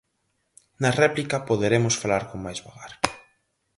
Na réplica poderemos falar con máis vagar.